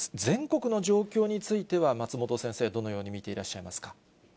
全国の状況については松本先生、どのように見ていらっしゃいますか。